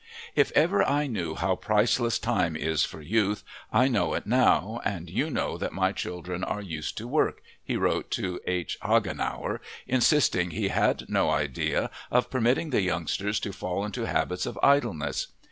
"If ever I knew how priceless time is for youth I know it now and you know that my children are used to work," he wrote to H. Hagenauer, insisting he had no idea of permitting the youngsters to fall into habits of idleness.